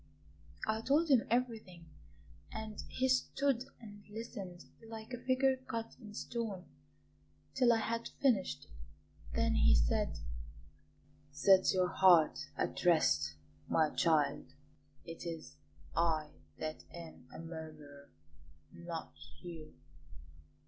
I told him everything, and he stood and listened, like a figure cut in stone, till I had finished; then he said: 'Set your heart at rest, my child; it is I that am a murderer, not you.